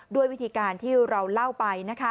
ด้วยวิธีการที่เราเล่าไปนะคะ